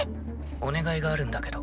お願いがあるんだけど。